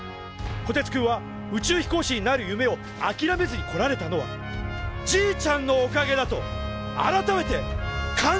こてつくんは宇宙飛行士になる夢をあきらめずにこられたのはじいちゃんのおかげだと改めて感じたのでした